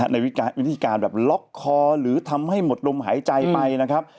ในวิธีการแบบล็อกคอหรือทำให้หมดลมหายใจไปนะครับ